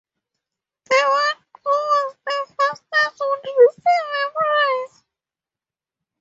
The one who was the fastest would receive a prize.